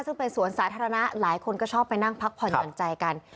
ซึ่งเป็นสวนสาธารณะหลายคนก็ชอบไปนั่งพักผ่อนหย่อนใจกัน